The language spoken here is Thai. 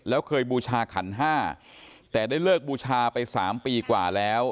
แล้วเคยบูชาขันห้าแต่ได้เลิกบูชาไป๓ปีกว่าแล้ว